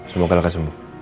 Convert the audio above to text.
semoga lekas sembuh